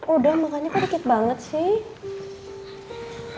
udah makannya perikit banget sih